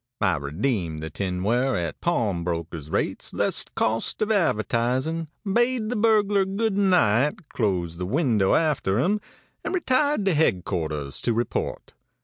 I redeemed the tinware at pawnbroker's rates, less cost of advertising, bade the burglar good night, closed the window after him, and retired to headquarters to report.